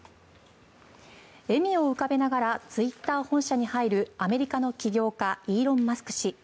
笑みを浮かべながらツイッター本社に入るアメリカの起業家イーロン・マスク氏。